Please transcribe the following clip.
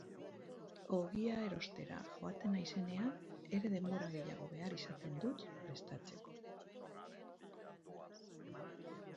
Ogia erostera joaten naizenean ere denbora gehiago behar izaten dut prestatzeko.